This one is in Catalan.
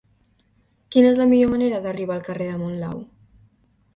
Quina és la millor manera d'arribar al carrer de Monlau?